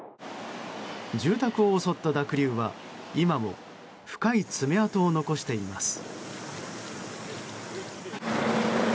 住宅を襲った濁流は今も深い爪痕を残しています。